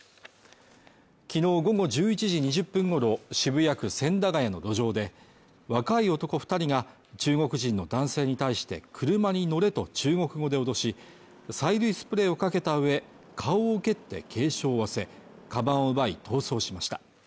きのう午後１１時２０分頃、渋谷区千駄ヶ谷の路上で若い男２人が、中国人の男性に対して、車に乗れと中国語で脅し、催涙スプレーをかけた上、顔を蹴って軽傷を負わせ、カバンを奪い逃走しました。